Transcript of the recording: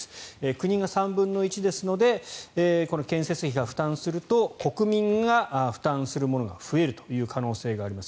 国が３分の１ですので建設費を負担すると国民が負担するものが増えるという可能性があります。